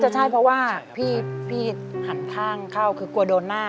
ใช่เพราะว่าพี่หันข้างเข้าคือกลัวโดนหน้า